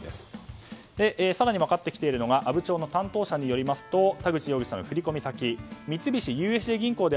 更に分かってきているのが阿武町の担当者によりますと田口容疑者の振り込み先は三菱ＵＦＪ銀行。